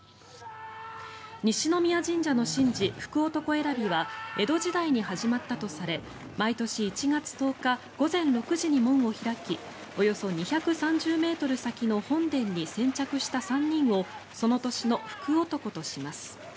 西宮神社の神事、福男選びは江戸時代に始まったとされ毎年１月１０日午前６時に門を開きおよそ２３０ｍ先の本殿に先着した３人をその年の福男とします。